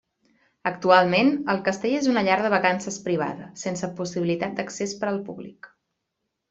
Actualment el castell és una llar de vacances privada, sense possibilitat d'accés per al públic.